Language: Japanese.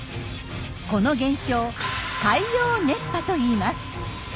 この現象「海洋熱波」といいます。